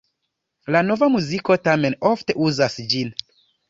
La Nova muziko tamen ofte uzas ĝin.